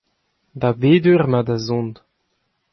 Da bet eur emañ da zont ?